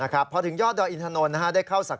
นะครับพอถึงยอดดอยอินทานนทร์ได้เข้าสากระ